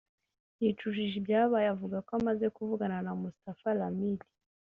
yicujije ibyabaye avuga ko amaze kuvugana na Mustapha Ramid